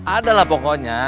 ada lah pokoknya